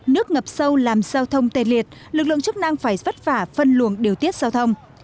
nước ngập sâu làm giao thông tê liệt lực lượng chức năng phải vất vả phân luồng điều tiết giao thông